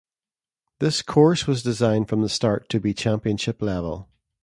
This course was designed from the start to be championship level.